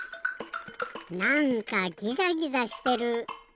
なんかギザギザしてる。